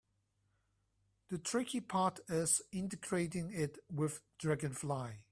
The tricky part is integrating it with Dragonfly.